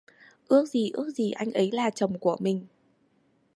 Ước gì ước gì anh ấy là chồng của mình